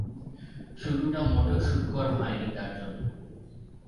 শুরুটা মোটেও সুখকর হয়নি তার জন্য।